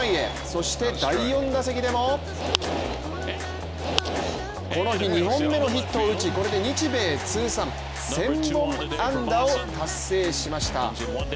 そして第４打席でもこの日２本目のヒットを打ちこれで日米通算、１０００本安打を達成しました。